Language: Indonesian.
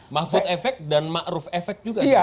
mahfud efek dan ma'ruf efek juga